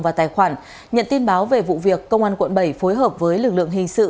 vào tài khoản nhận tin báo về vụ việc công an quận bảy phối hợp với lực lượng hình sự